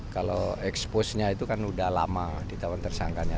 kalau expose nya itu kan sudah lama di tahun tersangka nya